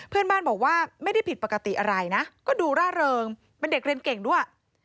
เพื่อนบ้านบอกว่าไม่ได้ผิดปกติอะไรนะก็ดูร่าเริงเป็นเด็กเรียนเก่งด้วย